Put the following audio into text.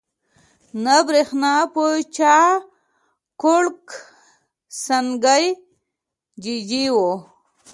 نه برېښنا په چاقوړک، سانکۍ ججي وو